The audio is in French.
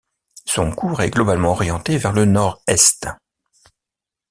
Son cours est globalement orienté vers le nord-est.